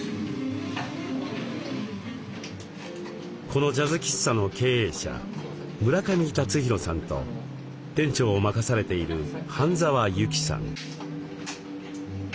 このジャズ喫茶の経営者村上辰大さんと店長を任されている半澤由紀さん。